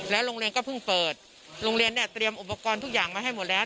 โรงเรียนก็เพิ่งเปิดโรงเรียนเนี่ยเตรียมอุปกรณ์ทุกอย่างมาให้หมดแล้ว